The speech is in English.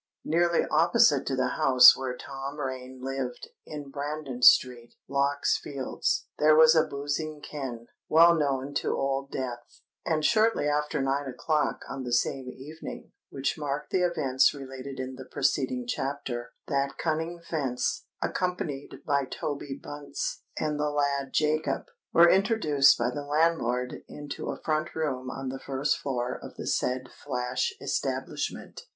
Nearly opposite to the house where Tom Rain lived, in Brandon Street, Lock's Fields, there was a boozing ken, well known to Old Death; and shortly after nine o'clock on the same evening which marked the events related in the preceding chapter, that cunning fence, accompanied by Toby Bunce and the lad Jacob, were introduced by the landlord into a front room on the first floor of the said flash establishment.